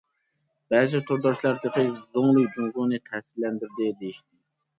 بەزى تورداشلار تېخى:« زۇڭلى جۇڭگونى تەسىرلەندۈردى» دېيىشتى.